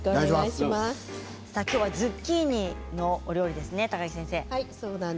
きょうはズッキーニのお料理ですね高城先生。